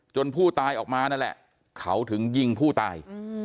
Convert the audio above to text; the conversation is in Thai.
ผู้ตายออกมานั่นแหละเขาถึงยิงผู้ตาย